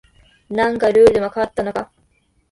何かルールでも変わったのか